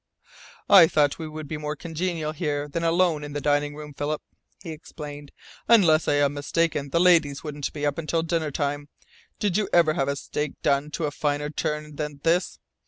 "I thought we would be more congenial here than alone in the dining room, Philip," he explained. "Unless I am mistaken the ladies won't be up until dinner time. Did you ever see a steak done to a finer turn than this?